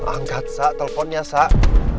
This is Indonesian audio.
angkat sak telponnya sak